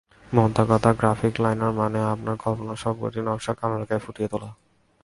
মোদ্দা কথা, graphic liner মানেই—আপনার কল্পনার সবকটি নকশা কালো রেখায় ফুটিয়ে তোলা।